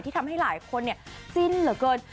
ทำให้หลายคนจิ้นเหลือเกิน